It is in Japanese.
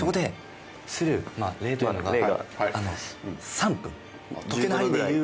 ３分。